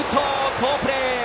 好プレー！